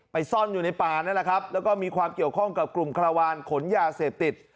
ซ่อนอยู่ในป่านั่นแหละครับแล้วก็มีความเกี่ยวข้องกับกลุ่มคาราวานขนยาเสพติด